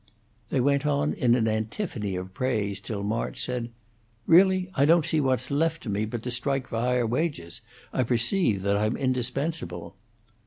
They went on in an antiphony of praise till March said: "Really, I don't see what's left me but to strike for higher wages. I perceive that I'm indispensable."